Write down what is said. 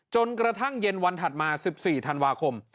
จนกระทั่งเย็นวันถัดมา๑๔ธันวาคม